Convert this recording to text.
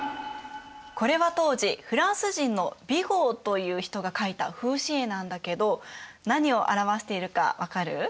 これは当時フランス人のビゴーという人が描いた風刺絵なんだけど何を表しているか分かる？